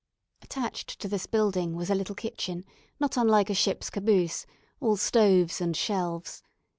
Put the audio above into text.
Attached to this building was a little kitchen, not unlike a ship's caboose all stoves and shelves.